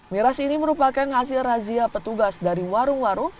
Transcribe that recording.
miras ini merupakan hasil razia petugas dari warung warung